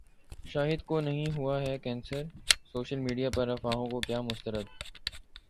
شاہد کونہیں ہوا ہے کینسر، سوشل میڈیا پرافواہوں کو کیا مسترد